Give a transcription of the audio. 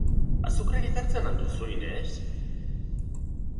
Azukrerik hartzen al duzu, Ines?